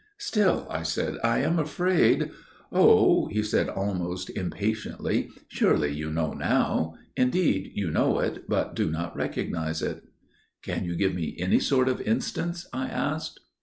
"Still," I said, "I am afraid––––" "Oh," he said almost impatiently, "surely you know now; indeed you know it, but do not recognise it." "Can you give me any sort of instance?" I asked.